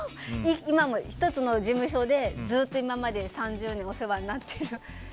今も１つの事務所でずっと今まで３０年お世話になってるから。